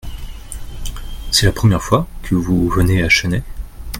C’est la première fois que vous venez à Chennai ?